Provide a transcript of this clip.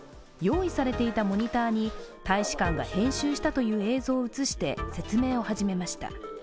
用意されていたモニターに大使館が編集したとされる映像を映して説明を始めました。